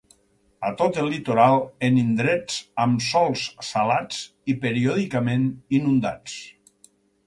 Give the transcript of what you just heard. A tot el litoral en indrets amb sòls salats i periòdicament inundats.